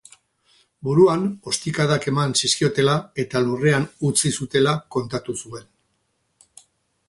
Buruan ostikadak eman zizkiotela eta lurrean utzi zutela kontatu zuen.